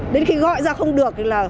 đến khi gọi ra không được thì là